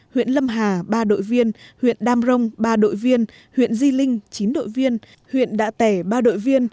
huyện lâm hà ba đội viên huyện đam rông ba đội viên huyện di linh chín đội viên huyện đạ tẻ ba đội viên